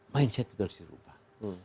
mindset itu harus dirubah